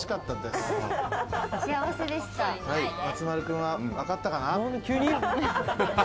松丸君はわかったかな？